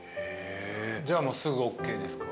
じゃあすぐＯＫですか？